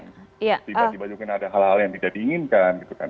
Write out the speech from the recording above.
tiba tiba mungkin ada hal hal yang tidak diinginkan gitu kan